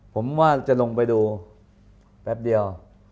ผมว่าจะลงไปดูแป๊บเดียว